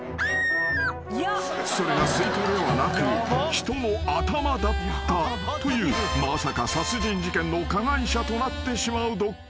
［それがスイカではなく人の頭だったというまさか殺人事件の加害者となってしまうドッキリ］